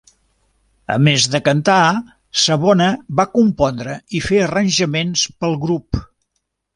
A més de cantar, Savona va compondre i fer arranjaments pel grup.